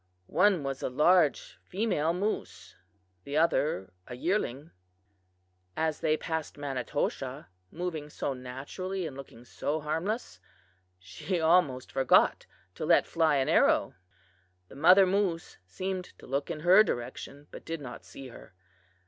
One was a large female moose; the other a yearling. "As they passed Manitoshaw, moving so naturally and looking so harmless, she almost forgot to let fly an arrow. The mother moose seemed to look in her direction, but did not see her.